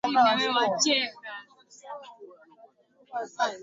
taifa la kujitegemea kuna masuala ya abey